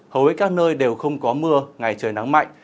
hầu hết các nơi đều không có mưa ngày trời nắng mạnh